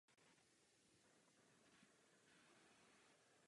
V druhém manželství byla Johana nešťastná.